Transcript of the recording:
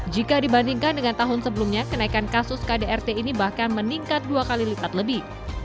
jika dibandingkan dengan tahun sebelumnya kenaikan kasus kdrt ini bahkan meningkat dua kali lipat lebih